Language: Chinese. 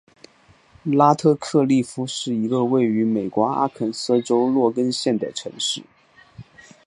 拉特克利夫是一个位于美国阿肯色州洛根县的城市。